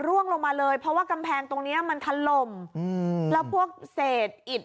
ร่วงลงมาเลยเพราะว่ากำแพงตรงเนี้ยมันถล่มอืมแล้วพวกเศษอิด